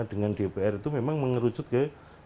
dengan dpr itu memang mengerucut ke